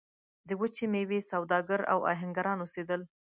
د وچې میوې سوداګر او اهنګران اوسېدل.